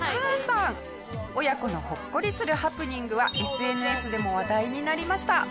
親子のほっこりするハプニングはＳＮＳでも話題になりました。